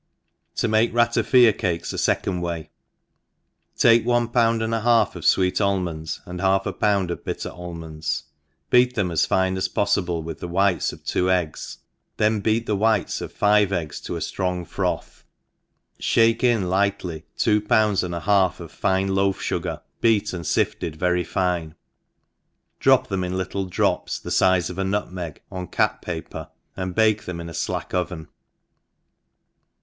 To maie Rat ATiA Cakes n fecondWay. ^AKE one pound and a half of fwect al monds, and half a pound of bitter almonds^^ beat them as fine as poifible with the whites of two eggs, then beat the whites of five eggs to a ftroJlg froth, fliake in lightly two pounds and a half of fine loaf fugar beat and fifted very fincj drop them in little drops the fize of a nutmcgi on cap paper, and bake them in a flack oven.